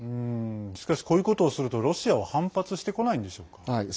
しかし、こういうことをするとロシアは反発してこないんでしょうか？